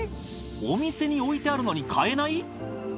お店に置いてあるのに買えない！？